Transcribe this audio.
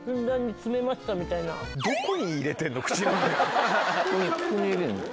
ここに入れんの？